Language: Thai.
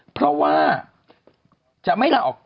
เพราะว่าจะไม่ลาออก